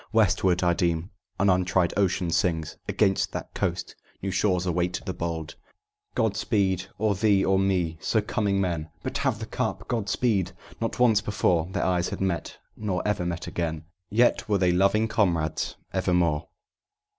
"Westward, I deem: an untried ocean sings Against that coast, 'New shores await the bold.'" "God speed or thee or me, so coming men But have the Cup!" "God speed!" Not once before Their eyes had met, nor ever met again, Yet were they loving comrades evermore.